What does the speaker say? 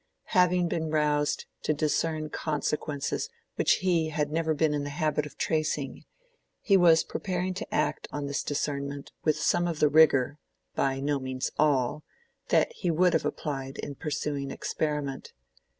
Having been roused to discern consequences which he had never been in the habit of tracing, he was preparing to act on this discernment with some of the rigor (by no means all) that he would have applied in pursuing experiment.